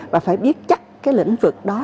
và phải biết chắc cái lĩnh vực đó